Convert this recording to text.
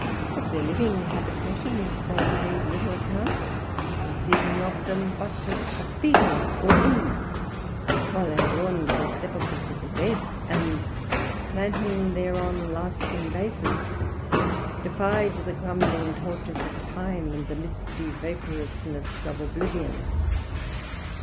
Of their living habitations they made little account, conceiving of them but as hospitia, or inns, while they adorned the sepulchres of the dead, and, planting thereon lasting bases, defied the crumbling touches of time and the misty vaporousness of oblivion.